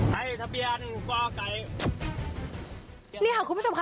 ใครทะเบียนก็ได้